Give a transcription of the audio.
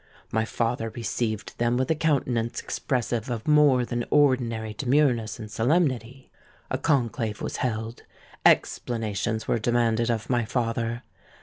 My father received them with a countenance expressive of more than ordinary demureness and solemnity. A conclave was held—explanations were demanded of my father.